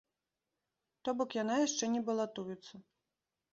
То бок яна яшчэ не балатуецца.